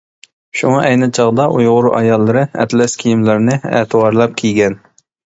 شۇڭا ئەينى چاغدا ئۇيغۇر ئاياللىرى ئەتلەس كىيىملەرنى ئەتىۋارلاپ كىيگەن.